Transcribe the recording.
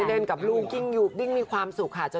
เล่นกับลูกยิ่งอยู่ยิ่งมีความสุขค่ะ